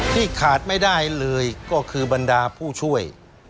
ขาดไม่ได้เลยก็คือบรรดาผู้ช่วย